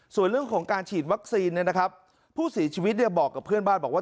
ส่วนเรื่องของการฉีดวัคซีนผู้เสียชีวิตบอกกับเพื่อนบ้านบอกว่า